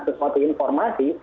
mendengarkan sesuatu informasi